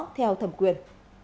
theo thẩm quyền